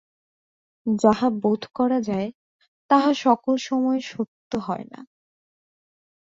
যাহা বোধ করা যায় তাহা সকল সময়ে সত্য হয় না।